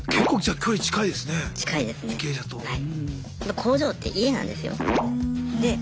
工場って家なんですよ。